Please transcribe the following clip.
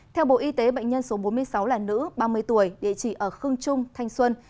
theo bộ y tế bệnh nhân số bốn mươi sáu là nữ ba mươi tuổi địa chỉ ở khương trung thanh xuân